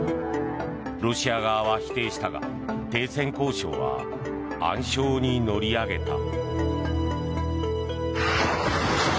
ロシア側は否定したが停戦交渉は暗礁に乗り上げた。